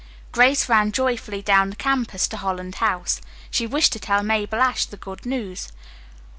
Grace ran joyfully down the campus to Holland House. She wished to tell Mabel Ashe the good news.